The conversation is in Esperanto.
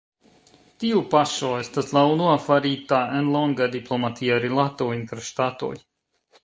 Tiu paŝo estas la unua farita en longa diplomatia rilato inter ŝtatoj.